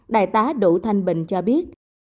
đại tá đỗ thanh bình cho biết